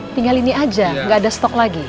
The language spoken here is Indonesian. tinggal ini aja nggak ada stok lagi